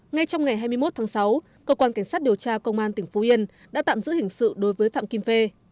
ngay trong ngày hai mươi một tháng sáu cơ quan cảnh sát điều tra công an tỉnh phú yên đã tạm giữ hình sự đối với phạm kim phê